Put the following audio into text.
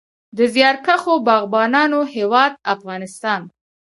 د زیارکښو باغبانانو هیواد افغانستان.